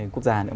quốc gia nữa